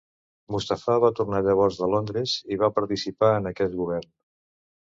Mustafà va tornar llavors de Londres i va participar en aquest govern.